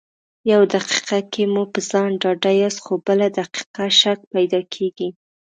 يو دقيقه کې مو په ځان ډاډه ياست خو بله دقيقه شک پیدا کېږي.